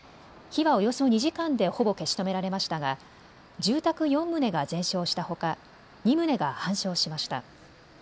火はおよそ２時間でほぼ消し止められましたが住宅４棟が全焼したほか２棟が半焼しました。